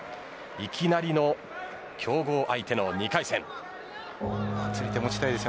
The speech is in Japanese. いきなりの強豪相手の２回戦。